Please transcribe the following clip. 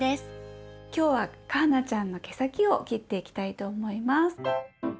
きょうはかはなちゃんの毛先を切っていきたいと思います。